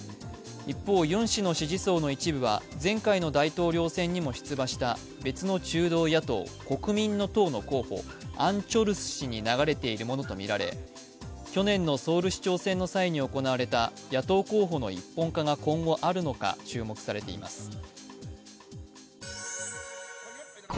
一方、ユン氏の支持層の一部は前回の大統領選にも出馬した別の中道野党・国民の党の候補、アン・チョルス氏に流れているものとみられ、去年のソウル市長選の際に行われた野党候補の一本化が今後あるのか注目されています。